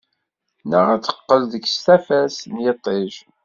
Neɣ ad teqqel deg-s tafat n yiṭij.